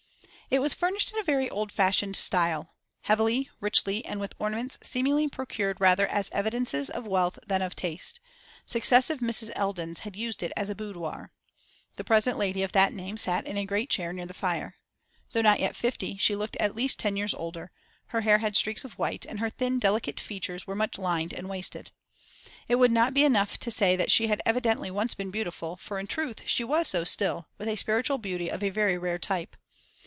It was furnished in a very old fashioned style heavily, richly, and with ornaments seemingly procured rather as evidences of wealth than of taste; successive Mrs. Eldons had used it as a boudoir. The present lady of that name sat in a great chair near the fire. Though not yet fifty, she looked at least ten years older; her hair had streaks of white, and her thin delicate features were much lined and wasted. It would not be enough to say that she had evidently once been beautiful, for in truth she was so still, with a spiritual beauty of a very rare type.